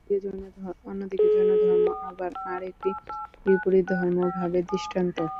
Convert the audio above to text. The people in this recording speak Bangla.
অন্যদিকে জৈনধর্ম আবার আর একটি বিপরীত চরম ভাবের দৃষ্টান্ত।